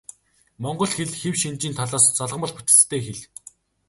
Монгол хэл хэв шинжийнхээ талаас залгамал бүтэцтэй хэл.